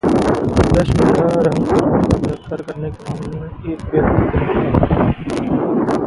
Dutch महिला रंगकर्मी का बलात्कार करने के मामले में एक व्यक्ति गिरफ्तार